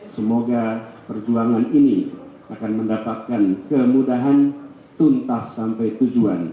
semoga perjuangan ini akan mendapatkan kemudahan tuntas sampai tujuan